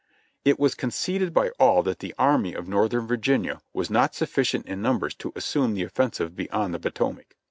It was conceded by all that the Army of Northern Virginia was not sufficient in numbers to assume the offensive beyond the Potomac.